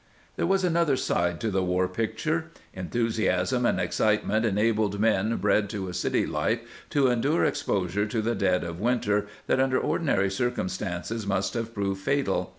" i There was another side to the war picture. Enthusiasm and excitement enabled men, bred to a city life, to endure exposure in the dead of winter that under ordinary circumstances must have proved fatal.